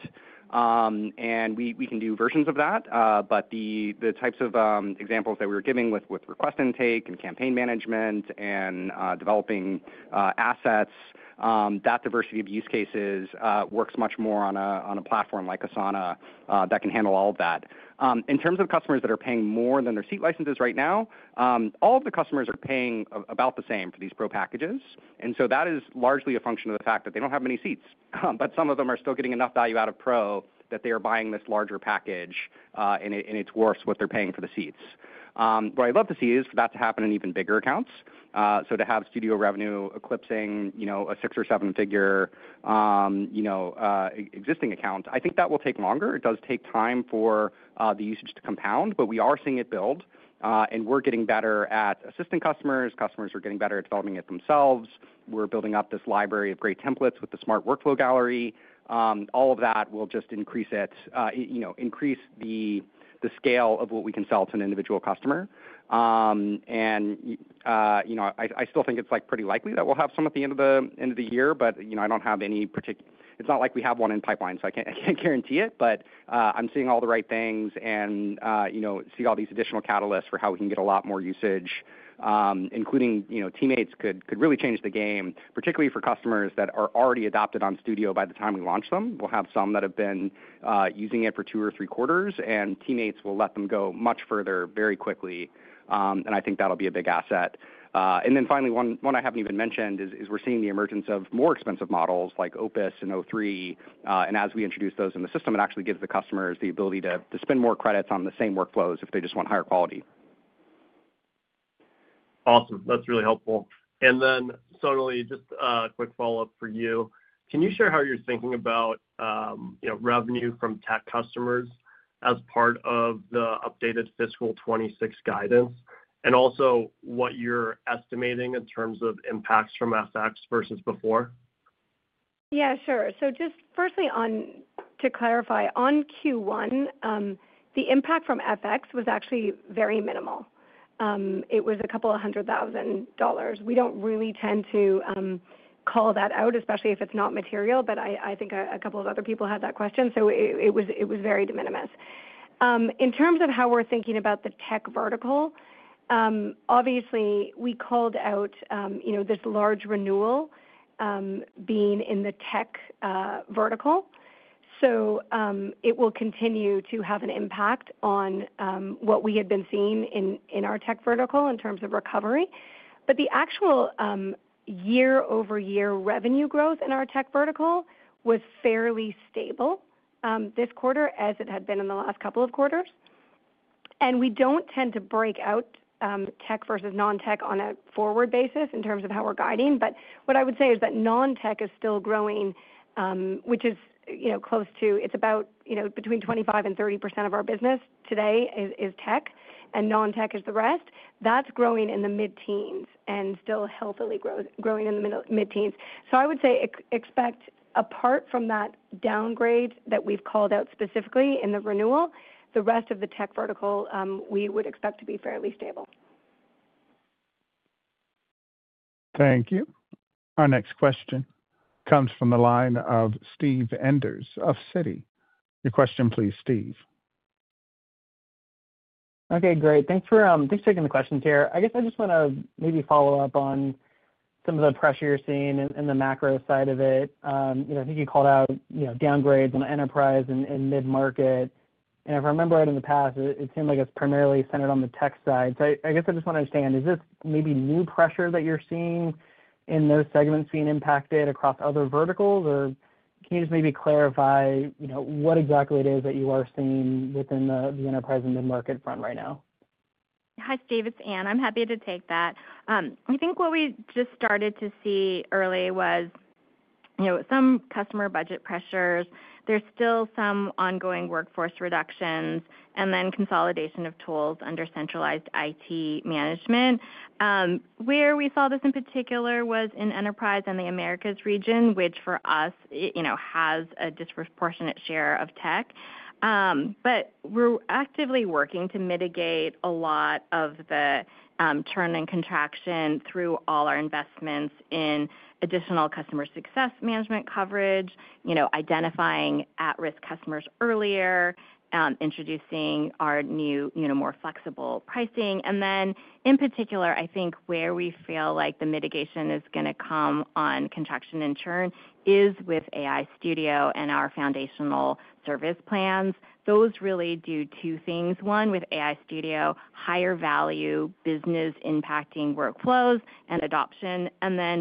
We can do versions of that, but the types of examples that we were giving with request intake and campaign management and developing assets, that diversity of use cases works much more on a platform like Asana that can handle all of that. In terms of customers that are paying more than their seat licenses right now, all of the customers are paying about the same for these Pro packages. That is largely a function of the fact that they do not have many seats, but some of them are still getting enough value out of Pro that they are buying this larger package and it is worth what they are paying for the seats. What I would love to see is for that to happen in even bigger accounts. To have Studio revenue eclipsing a six or seven figure existing account, I think that will take longer. It does take time for the usage to compound, but we are seeing it build. We are getting better at assisting customers. Customers are getting better at developing it themselves. We are building up this library of great templates with the Smart Workflow Gallery. All of that will just increase it, increase the scale of what we can sell to an individual customer. I still think it is pretty likely that we will have some at the end of the year, but I do not have any particular, it is not like we have one in pipeline, so I cannot guarantee it, but I am seeing all the right things and see all these additional catalysts for how we can get a lot more usage, including teammates could really change the game, particularly for customers that are already adopted on Studio by the time we launch them. We'll have some that have been using it for two or three quarters, and teammates will let them go much further very quickly. I think that'll be a big asset. Finally, one I haven't even mentioned is we're seeing the emergence of more expensive models like Opus and O3. As we introduce those in the system, it actually gives the customers the ability to spend more credits on the same workflows if they just want higher quality. Awesome. That's really helpful. Then, Sonalee, just a quick follow-up for you. Can you share how you're thinking about revenue from tech customers as part of the updated fiscal 2026 guidance and also what you're estimating in terms of impacts from FX versus before? Yeah, sure. Just firstly, to clarify, on Q1, the impact from FX was actually very minimal. It was a couple of hundred thousand dollars. We do not really tend to call that out, especially if it is not material, but I think a couple of other people had that question. It was very de minimis. In terms of how we are thinking about the tech vertical, obviously, we called out this large renewal being in the tech vertical. It will continue to have an impact on what we had been seeing in our tech vertical in terms of recovery. The actual year-over-year revenue growth in our tech vertical was fairly stable this quarter as it had been in the last couple of quarters. We do not tend to break out tech versus non-tech on a forward basis in terms of how we are guiding. What I would say is that non-tech is still growing, which is close to, it's about between 25% and 30% of our business today is tech, and non-tech is the rest. That's growing in the mid-teens and still healthily growing in the mid-teens. I would say expect apart from that downgrade that we've called out specifically in the renewal, the rest of the tech vertical we would expect to be fairly stable. Thank you. Our next question comes from the line of Steve Enders of Citi. Your question, please, Steve. Okay, great. Thanks for taking the questions here. I guess I just want to maybe follow up on some of the pressure you're seeing in the macro side of it. I think you called out downgrades on enterprise and mid-market. If I remember right in the past, it seemed like it's primarily centered on the tech side. I guess I just want to understand, is this maybe new pressure that you're seeing in those segments being impacted across other verticals? Can you just maybe clarify what exactly it is that you are seeing within the enterprise and mid-market front right now? Hi, Steve. It's Anne. I'm happy to take that. I think what we just started to see early was some customer budget pressures. There's still some ongoing workforce reductions and then consolidation of tools under centralized IT management. Where we saw this in particular was in enterprise and the Americas region, which for us has a disproportionate share of tech. We are actively working to mitigate a lot of the churn and contraction through all our investments in additional customer success management coverage, identifying at-risk customers earlier, introducing our new, more flexible pricing. In particular, I think where we feel like the mitigation is going to come on contraction and churn is with AI Studio and our Foundational Service Plans. Those really do two things. One, with AI Studio, higher value business-impacting workflows and adoption.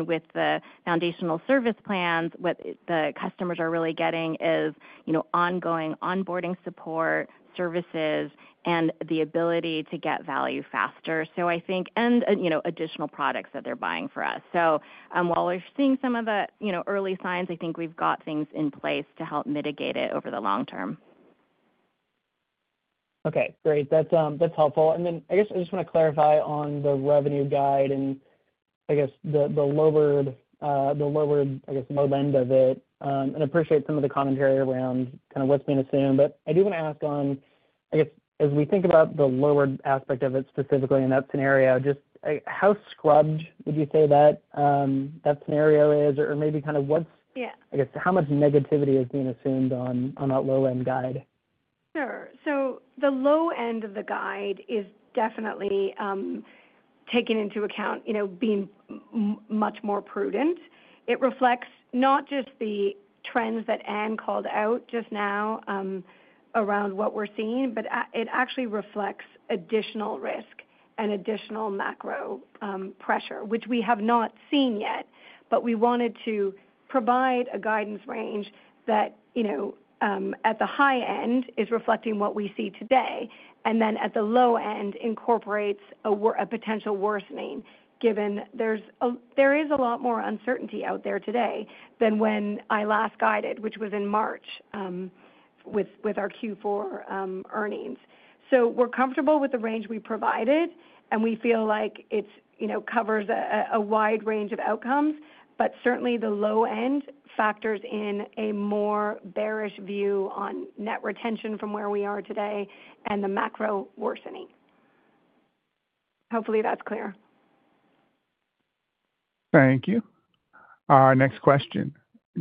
With the Foundational Service Plans, what the customers are really getting is ongoing onboarding support services and the ability to get value faster, I think, and additional products that they are buying from us. While we are seeing some of the early signs, I think we have things in place to help mitigate it over the long term. Okay, great. That is helpful. I guess I just want to clarify on the revenue guide and the lowered, I guess, low-end of it. I appreciate some of the commentary around kind of what's being assumed. I do want to ask, as we think about the lowered aspect of it specifically in that scenario, just how scrubbed would you say that scenario is? Or maybe kind of what's, I guess, how much negativity is being assumed on that low-end guide? Sure. The low-end of the guide is definitely taken into account, being much more prudent. It reflects not just the trends that Anne called out just now around what we're seeing, but it actually reflects additional risk and additional macro pressure, which we have not seen yet. We wanted to provide a guidance range that at the high end is reflecting what we see today, and then at the low end incorporates a potential worsening given there is a lot more uncertainty out there today than when I last guided, which was in March with our Q4 earnings. We are comfortable with the range we provided, and we feel like it covers a wide range of outcomes, but certainly the low end factors in a more bearish view on net retention from where we are today and the macro worsening. Hopefully, that's clear. Thank you. Our next question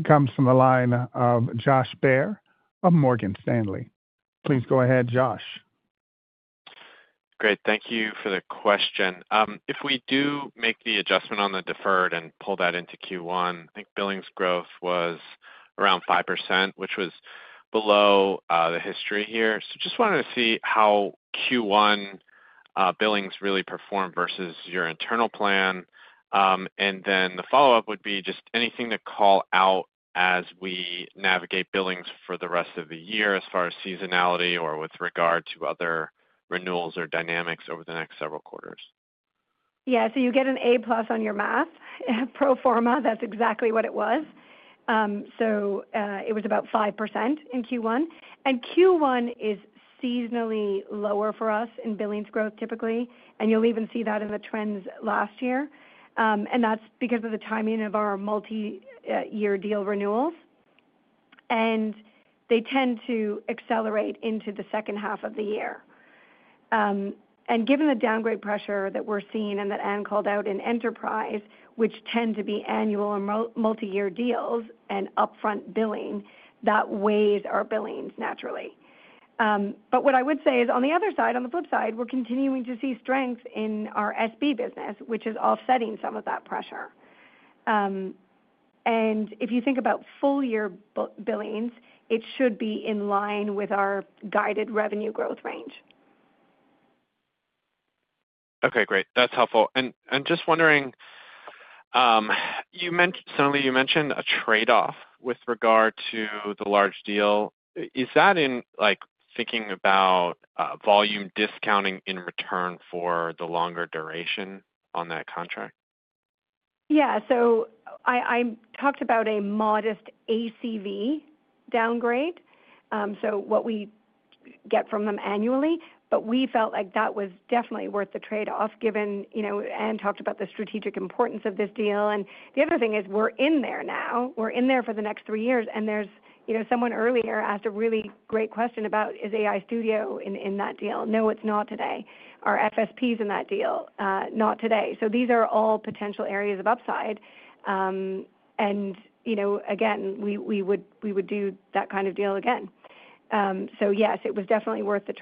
comes from the line of Josh Bair of Morgan Stanley. Please go ahead, Josh. Great. Thank you for the question. If we do make the adjustment on the deferred and pull that into Q1, I think billing's growth was around 5%, which was below the history here. Just wanted to see how Q1 billings really performed versus your internal plan. The follow-up would be just anything to call out as we navigate billings for the rest of the year as far as seasonality or with regard to other renewals or dynamics over the next several quarters. Yeah, you get an A+ on your math. Pro forma, that's exactly what it was. It was about 5% in Q1. Q1 is seasonally lower for us in billings growth typically. You will even see that in the trends last year. That is because of the timing of our multi-year deal renewals. They tend to accelerate into the second half of the year. Given the downgrade pressure that we are seeing and that Anne called out in enterprise, which tend to be annual and multi-year deals and upfront billing, that weighs our billings naturally. What I would say is on the other side, on the flip side, we're continuing to see strength in our SB business, which is offsetting some of that pressure. If you think about full-year billings, it should be in line with our guided revenue growth range. Okay, great. That's helpful. Just wondering, Sonalee, you mentioned a trade-off with regard to the large deal. Is that in thinking about volume discounting in return for the longer duration on that contract? Yeah. I talked about a modest ACV downgrade, so what we get from them annually. We felt like that was definitely worth the trade-off given Anne talked about the strategic importance of this deal. The other thing is we're in there now. We're in there for the next three years. Someone earlier asked a really great question about, "Is AI Studio in that deal?" No, it's not today. Our FSP is in that deal, not today. These are all potential areas of upside. Again, we would do that kind of deal again. Yes, it was definitely worth the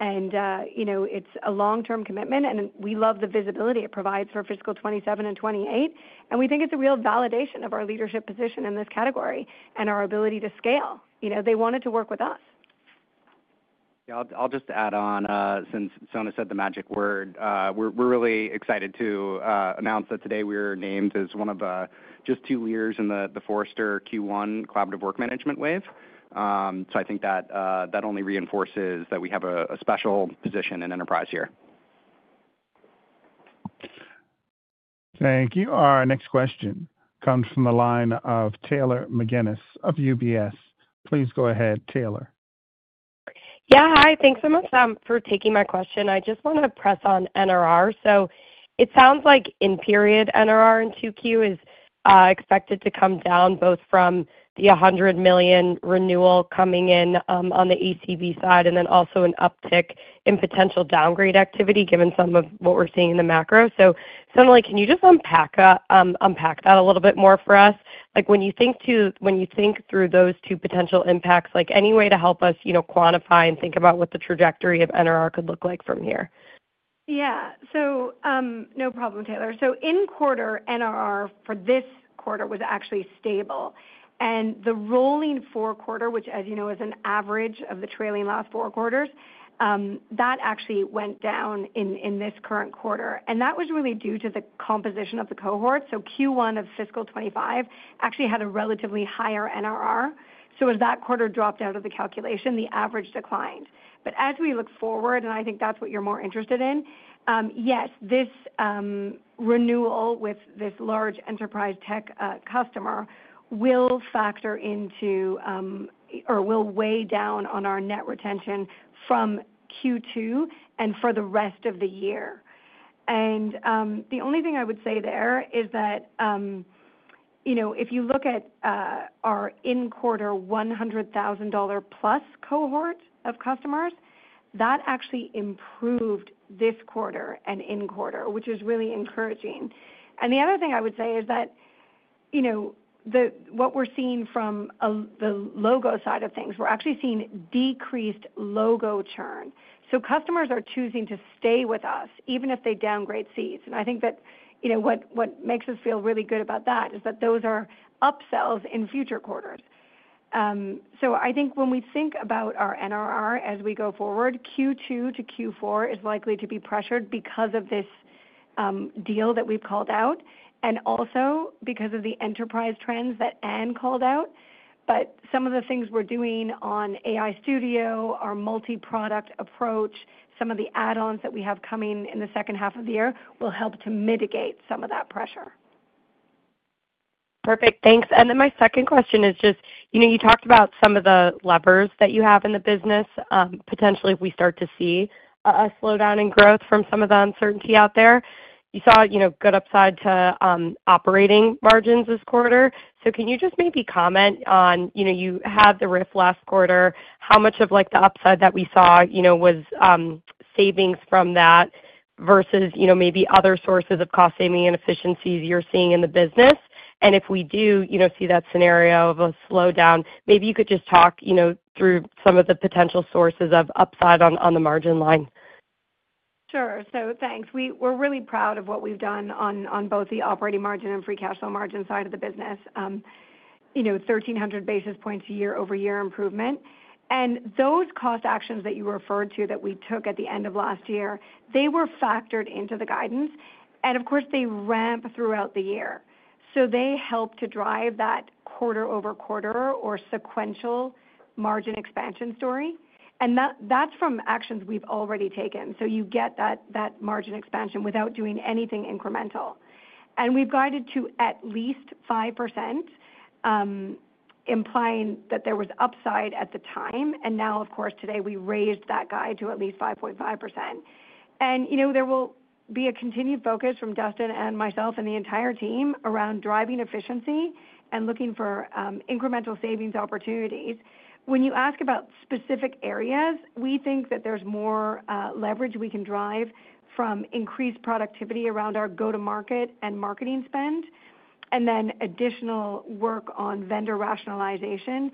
trade-off. It is a long-term commitment. We love the visibility it provides for fiscal 2027 and 2028. We think it's a real validation of our leadership position in this category and our ability to scale. They wanted to work with us. I'll just add on, since Sonalee said the magic word, we're really excited to announce that today we are named as one of just two leaders in the Forrester Q1 collaborative work management wave. I think that only reinforces that we have a special position in enterprise here. Thank you. Our next question comes from the line of Taylor McGinnis of UBS. Please go ahead, Taylor. Yeah, hi. Thanks so much for taking my question. I just want to press on NRR. It sounds like in period, NRR in Q2 is expected to come down both from the $100 million renewal coming in on the ACV side and then also an uptick in potential downgrade activity given some of what we're seeing in the macro. Sonalee, can you just unpack that a little bit more for us? When you think through those two potential impacts, any way to help us quantify and think about what the trajectory of NRR could look like from here? Yeah. No problem, Taylor. In quarter, NRR for this quarter was actually stable. The rolling four-quarter, which, as you know, is an average of the trailing last four quarters, actually went down in this current quarter. That was really due to the composition of the cohort. Q1 of fiscal 2025 actually had a relatively higher NRR. As that quarter dropped out of the calculation, the average declined. As we look forward, and I think that's what you're more interested in, yes, this renewal with this large enterprise tech customer will factor into or will weigh down on our net retention from Q2 and for the rest of the year. The only thing I would say there is that if you look at our in-quarter $100,000+ cohort of customers, that actually improved this quarter and in quarter, which is really encouraging. The other thing I would say is that what we're seeing from the logo side of things, we're actually seeing decreased logo churn. Customers are choosing to stay with us even if they downgrade seats. I think that what makes us feel really good about that is that those are upsells in future quarters. I think when we think about our NRR as we go forward, Q2 to Q4 is likely to be pressured because of this deal that we've called out and also because of the enterprise trends that Anne called out. Some of the things we're doing on AI Studio, our multi-product approach, some of the add-ons that we have coming in the second half of the year will help to mitigate some of that pressure. Perfect. Thanks. My second question is just you talked about some of the levers that you have in the business, potentially if we start to see a slowdown in growth from some of the uncertainty out there. You saw good upside to operating margins this quarter. Can you just maybe comment on you had the RIF last quarter, how much of the upside that we saw was savings from that versus maybe other sources of cost saving and efficiencies you're seeing in the business? If we do see that scenario of a slowdown, maybe you could just talk through some of the potential sources of upside on the margin line. Sure. Thanks. We're really proud of what we've done on both the operating margin and free cash flow margin side of the business, 1,300 basis points year-over-year improvement. Those cost actions that you referred to that we took at the end of last year, they were factored into the guidance. Of course, they ramp throughout the year. They help to drive that quarter-over-quarter or sequential margin expansion story. That is from actions we have already taken. You get that margin expansion without doing anything incremental. We have guided to at least 5%, implying that there was upside at the time. Now, today we raised that guide to at least 5.5%. There will be a continued focus from Dustin and myself and the entire team around driving efficiency and looking for incremental savings opportunities. When you ask about specific areas, we think that there is more leverage we can drive from increased productivity around our go-to-market and marketing spend, and then additional work on vendor rationalization.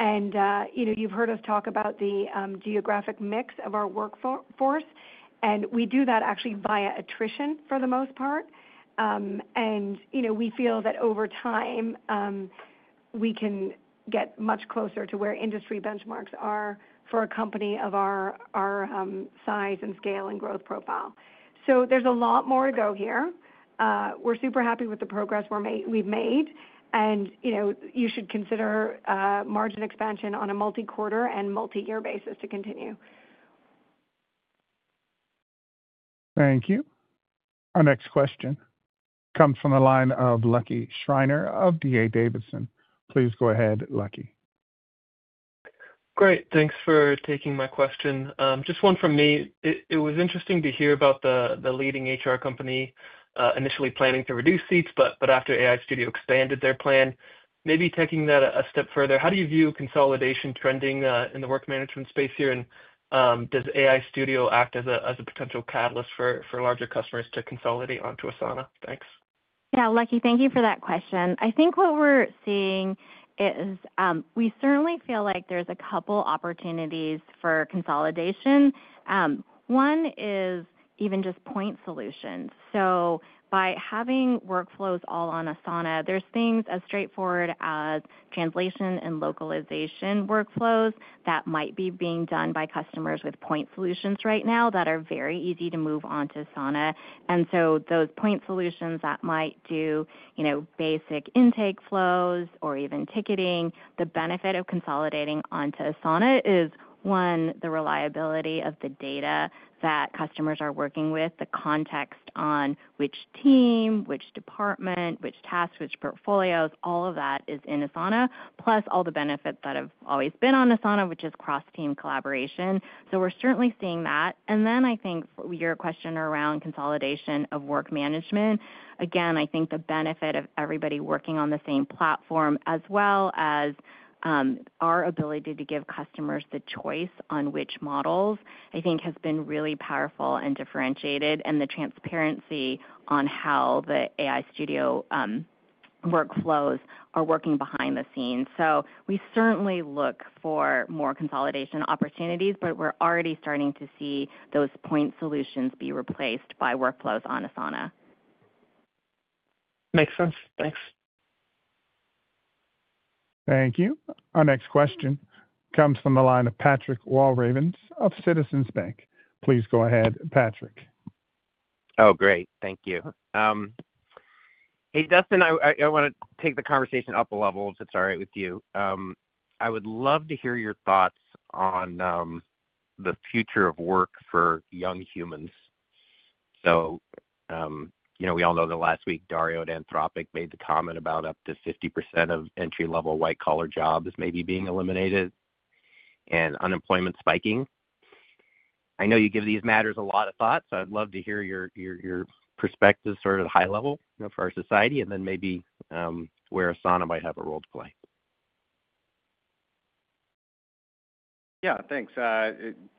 You have heard us talk about the geographic mix of our workforce. We do that actually via attrition for the most part. We feel that over time, we can get much closer to where industry benchmarks are for a company of our size and scale and growth profile. There is a lot more to go here. We are super happy with the progress we have made. You should consider margin expansion on a multi-quarter and multi-year basis to continue. Thank you. Our next question comes from the line of Lucky Schreiner of D.A. Davidson. Please go ahead, Lucky. Great. Thanks for taking my question. Just one from me. It was interesting to hear about the leading HR company initially planning to reduce seats, but after AI Studio expanded their plan, maybe taking that a step further, how do you view consolidation trending in the work management space here? Does AI Studio act as a potential catalyst for larger customers to consolidate onto Asana? Thanks. Yeah, Lucky, thank you for that question. I think what we're seeing is we certainly feel like there's a couple of opportunities for consolidation. One is even just point solutions. By having workflows all on Asana, there are things as straightforward as translation and localization workflows that might be being done by customers with point solutions right now that are very easy to move on to Asana. Those point solutions that might do basic intake flows or even ticketing, the benefit of consolidating onto Asana is, one, the reliability of the data that customers are working with, the context on which team, which department, which tasks, which portfolios, all of that is in Asana, plus all the benefits that have always been on Asana, which is cross-team collaboration. We're certainly seeing that. I think your question around consolidation of work management, again, I think the benefit of everybody working on the same platform as well as our ability to give customers the choice on which models, I think, has been really powerful and differentiated, and the transparency on how the AI Studio workflows are working behind the scenes. We certainly look for more consolidation opportunities, but we're already starting to see those point solutions be replaced by workflows on Asana. Makes sense. Thanks. Thank you. Our next question comes from the line of Patrick Walravens of Citizens Bank. Please go ahead, Patrick. Oh, great. Thank you. Hey, Dustin, I want to take the conversation up a level if it's all right with you. I would love to hear your thoughts on the future of work for young humans. We all know that last week, Dario at Anthropic made the comment about up to 50% of entry-level white-collar jobs maybe being eliminated and unemployment spiking. I know you give these matters a lot of thought, so I'd love to hear your perspective sort of high level for our society and then maybe where Asana might have a role to play. Yeah, thanks.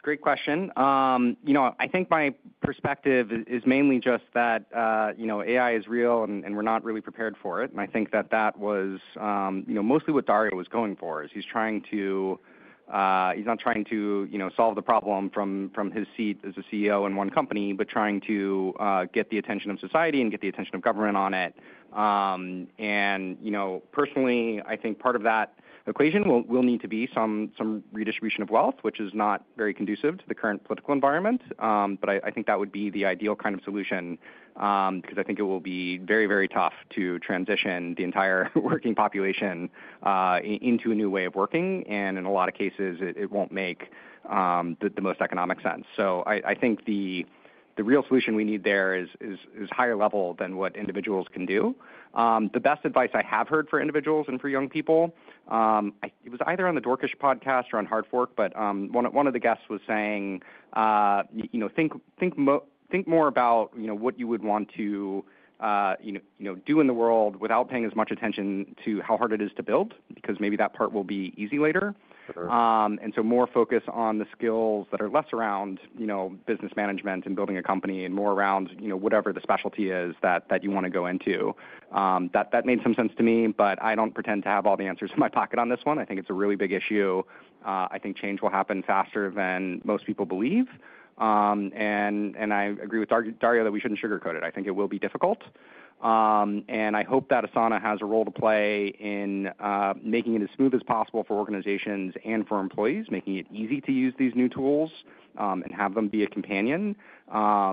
Great question. I think my perspective is mainly just that AI is real and we're not really prepared for it. I think that that was mostly what Dario was going for, is he's trying to, he's not trying to solve the problem from his seat as a CEO in one company, but trying to get the attention of society and get the attention of government on it. Personally, I think part of that equation will need to be some redistribution of wealth, which is not very conducive to the current political environment. I think that would be the ideal kind of solution because I think it will be very, very tough to transition the entire working population into a new way of working. In a lot of cases, it will not make the most economic sense. I think the real solution we need there is higher level than what individuals can do. The best advice I have heard for individuals and for young people, it was either on the Dwarkesh podcast or on Hard Fork, but one of the guests was saying, "Think more about what you would want to do in the world without paying as much attention to how hard it is to build because maybe that part will be easy later." More focus on the skills that are less around business management and building a company and more around whatever the specialty is that you want to go into. That made some sense to me, but I do not pretend to have all the answers in my pocket on this one. I think it is a really big issue. I think change will happen faster than most people believe. I agree with Dario that we should not sugarcoat it. I think it will be difficult. I hope that Asana has a role to play in making it as smooth as possible for organizations and for employees, making it easy to use these new tools and have them be a companion, at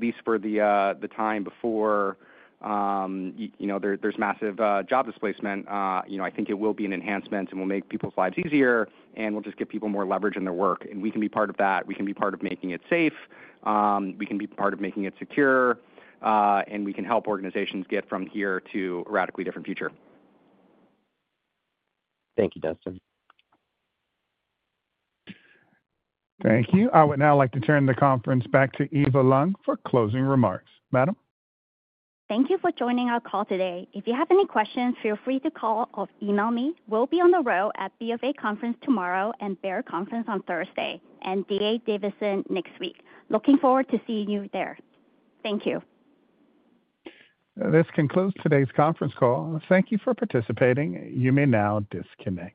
least for the time before there is massive job displacement. I think it will be an enhancement and will make people's lives easier, and we will just give people more leverage in their work. We can be part of that. We can be part of making it safe. We can be part of making it secure. We can help organizations get from here to a radically different future. Thank you, Dustin. Thank you. I would now like to turn the conference back to Eva Leung for closing remarks. Madam? Thank you for joining our call today. If you have any questions, feel free to call or email me. We'll be on the row at BofA Conference tomorrow and BEAR Conference on Thursday and D.A. Davidson next week. Looking forward to seeing you there. Thank you. This concludes today's conference call. Thank you for participating. You may now disconnect.